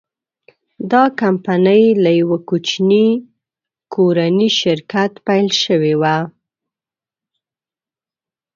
دا کمپنۍ له یوه کوچني کورني شرکت پیل شوې وه.